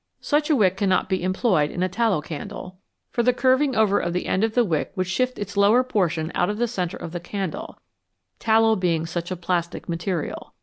Such a wick cannot be employed in a tallow candle, 244 FATS AND OILS for the curving over of the end of the wick would shift its lower portion out of the centre of the candle, tallow being such a plastic material.